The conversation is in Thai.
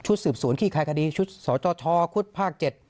ชุดสืบศูนย์ขี้คายคดีชุดสตชคุศภาค๗